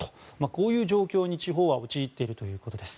こういう状況に地方は陥っているということです。